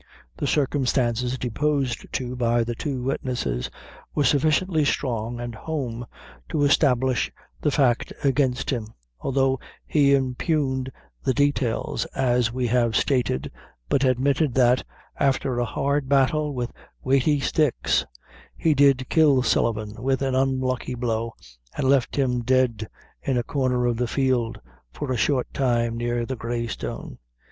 The circumstances deposed to by the two witnesses were sufficiently strong and home to establish the fact against him, although he impugned the details as we have stated, but admitted that after a hard battle with weighty sticks, he did kill Sullivan with an unlucky blow, and left him dead in a corner of the field for a short time near the Grey Stone.